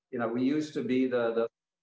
kita dulu adalah